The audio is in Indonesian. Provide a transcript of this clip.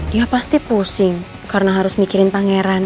dia pasti pusing karena harus mikirin pangeran